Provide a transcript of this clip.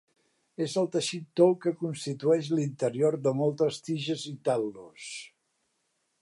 És el teixit tou que constitueix l'interior de moltes tiges i tal·lus.